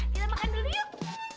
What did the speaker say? kita makan dulu yuk